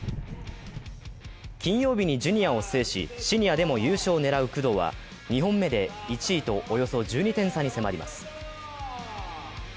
金曜日にジュニアを制しシニアでも優勝を狙う工藤は２本目で１位とおよそ１２点差に迫ります。